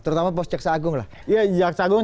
terutama pos jaksa agung lah ya jaksa agung